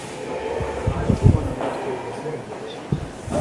Kuki utagumana natwe ibyumweru bike